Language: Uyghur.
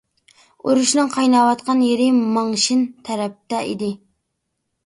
ئۇرۇشنىڭ قايناۋاتقان يېرى ماڭشىن تەرەپتە ئىدى.